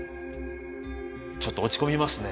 ちょっと落ち込みますね。